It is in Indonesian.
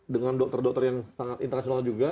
dengan dokter dokter yang sangat internasional juga